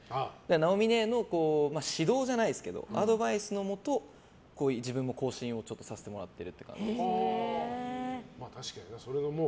直美ねえの指導じゃないですけどアドバイスのもと自分も更新をさせてもらってるって感じです。